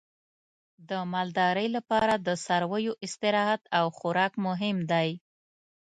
د مالدارۍ لپاره د څارویو استراحت او خوراک مهم دی.